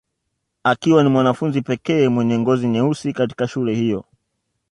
Akiwa ni mwanafunzi pekee mwenye ngozi nyeusi katika shule hiyo